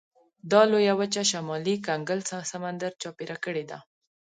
دا لویه وچه شمالي کنګل سمندر چاپېره کړې ده.